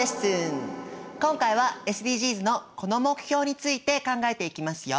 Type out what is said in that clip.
今回はＳＤＧｓのこの目標について考えていきますよ。